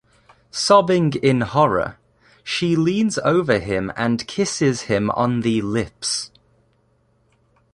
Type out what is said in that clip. Sobbing in horror, she leans over him and kisses him on the lips.